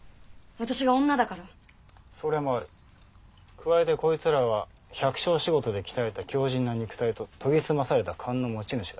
加えてこいつらは百姓仕事で鍛えた強じんな肉体と研ぎ澄まされた勘の持ち主だ。